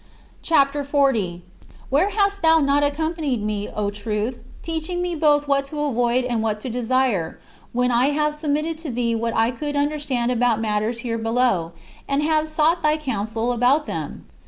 CHAPTER XL 65. Where hast thou not accompanied me, O Truth, teaching me both what to avoid and what to desire, when I have submitted to thee what I could understand about matters here below, and have sought thy counsel about them?